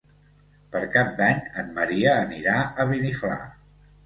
Per Cap d'Any en Maria anirà a Beniflà.